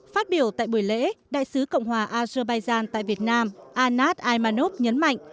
phát biểu tại buổi lễ đại sứ cộng hòa azerbaijan tại việt nam anat amanov nhấn mạnh